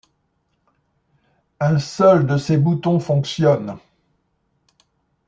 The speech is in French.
Un seul de ces boutons fonctionne.